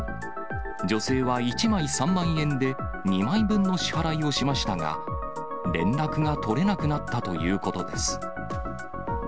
女性は１枚３万円で２枚分を支払いをしましたが、連絡が取れなくなったということです。